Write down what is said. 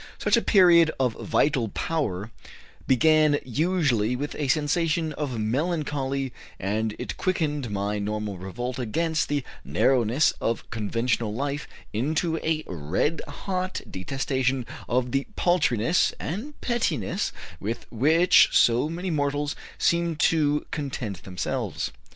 Such a period of vital power began usually with a sensation of melancholy, and it quickened my normal revolt against the narrowness of conventional life into a red hot detestation of the paltriness and pettiness with which so many mortals seem to content themselves.